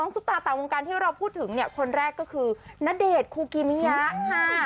ซุปตาต่างวงการที่เราพูดถึงเนี่ยคนแรกก็คือณเดชน์คูกิมิยะค่ะ